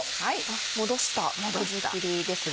戻したくずきりですね。